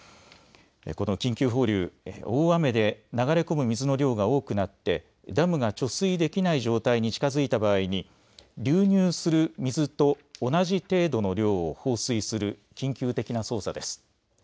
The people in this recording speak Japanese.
この緊急放流、大雨で流れ込む水の量が多くなってダムが貯水できない状態に近づいた場合に流入する水と同じ程度の量を放水する緊急的な操作です。